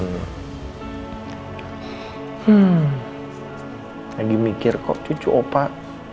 lagi mikir kok cucu opak